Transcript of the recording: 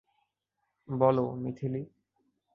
বলো, মিথিলি।